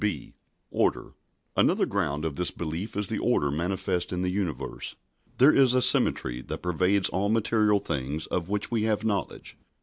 (b) (Order) Another ground of this belief is the order manifest in the universe. There is a symmetry that pervades all material things of which we have knowledge.